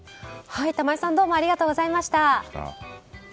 玉井さんどうもありがとうございました。